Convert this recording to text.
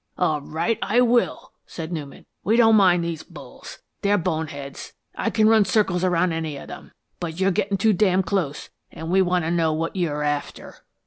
"All right, I will," said Newman. "We don't mind these bulls. They're bone heads. I can run circles around any one of them. But you're gettin' too damned close, and we want to know what you're after."